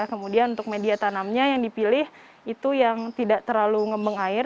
kemudian untuk media tanamnya yang dipilih itu yang tidak terlalu ngembeng air